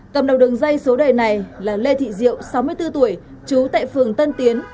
cầm đầu đường dây số đề này là lê thị diệu sáu mươi bốn tuổi trú tại phường tân tiến